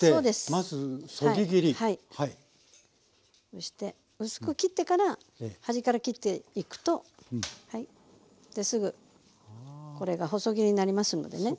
そして薄く切ってから端から切っていくとはいですぐこれが細切りになりますのでね。